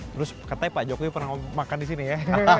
terus katanya pak jokowi pernah makan di sini ya